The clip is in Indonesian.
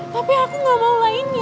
tapi aku ga mau lah ini